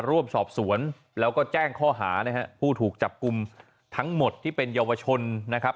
ร่วมสอบสวนแล้วก็แจ้งข้อหานะฮะผู้ถูกจับกลุ่มทั้งหมดที่เป็นเยาวชนนะครับ